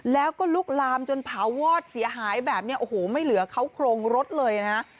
แล้วก็ลุกลามจนเผาวอดเสียหายแบบนี้โอ้โหไม่เหลือเขาโครงรถเลยนะ